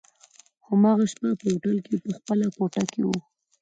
هماغه شپه په هوټل کي په خپله کوټه کي وو.